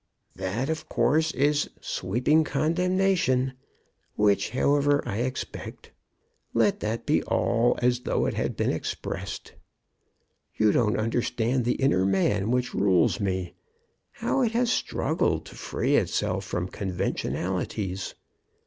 "That, of course, is sweeping condemnation, which, however, I expect. Let that be all as though it had been expressed. You don't understand the inner man which rules me, how it has struggled to free itself from conventionalities.